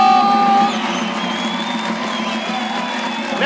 รีบที่ประหลาด